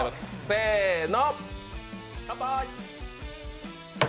せーの。